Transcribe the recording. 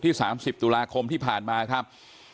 ๓๐ตุลาคมที่ผ่านมาครับ